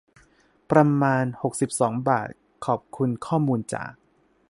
ประมาณ หกสิบสอง บาท ขอบคุณข้อมูลจาก